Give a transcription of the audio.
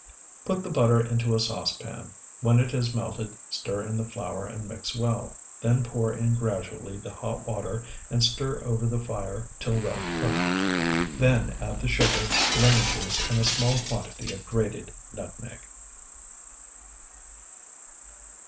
Put the butter into a saucepan; when it has melted stir in the flour and mix well; then pour in gradually the hot water and stir over the fire till well cooked; then add the sugar, lemon juice and a small quantity of grated nutmeg.